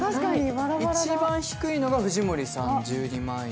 一番低いのが藤森さんの１２万円。